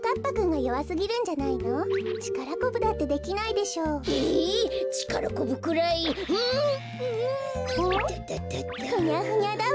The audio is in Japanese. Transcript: ふにゃふにゃだわ。